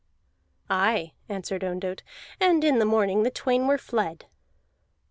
"Aye," answered Ondott, "and in the morning the twain were fled."